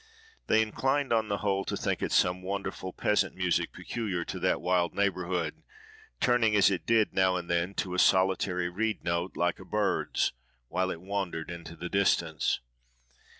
They inclined on the whole to think it some wonderful peasant music peculiar to that wild neighbourhood, turning, as it did now and then, to a solitary reed note, like a bird's, while it wandered into the distance.